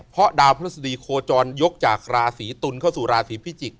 เพราะดาวพฤษฎีโคจรยกจากราศีตุลเข้าสู่ราศีพิจิกษ